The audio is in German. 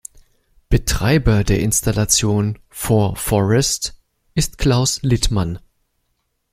Betreiber der Installation "For Forest" ist Klaus Littmann.